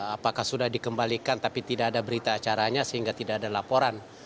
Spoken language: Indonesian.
apakah sudah dikembalikan tapi tidak ada berita acaranya sehingga tidak ada laporan